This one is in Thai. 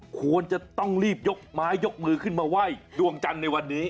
ควรจะต้องรีบยกไม้ยกมือขึ้นมาไหว้ดวงจันทร์ในวันนี้